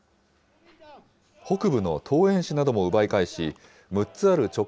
北部の桃園市なども奪い返し、６つある直轄